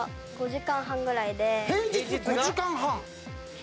平日５時間半！